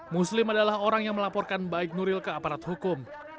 muslim adalah orang yang melaporkan baik nuril ke aparat hukum